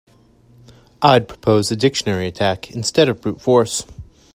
I'd propose a dictionary attack instead of brute force.